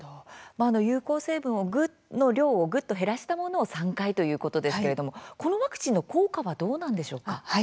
有効成分の量をぐっと減らしたものを３回ということですけれどもこのワクチンの効果はどうなんでしょうか？